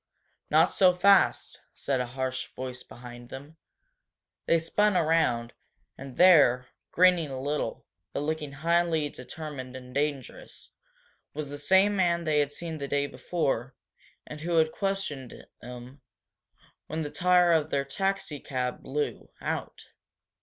"Not so fast!" said a harsh voice behind them. They spun around, and there, grinning a little, but looking highly determined and dangerous, was the same man they had seen the day before, and who had questioned them when the tire of their taxicab blew out!